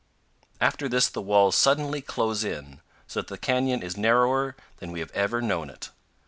225 After this the walls suddenly close in, so that the canyon is narrower than we have ever known it.